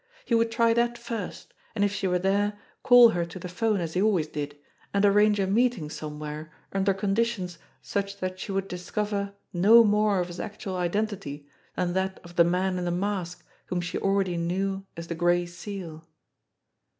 He would try that first, and if she were there call her to the phone as he always did, and arrange a meeting somewhere under conditions such that she would discover no more of his actual identity than that of the man in the mask whom she already knew as the Gray Seal.